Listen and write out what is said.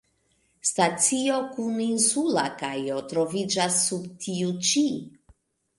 Stacio kun insula kajo troviĝas sub tiu ĉi.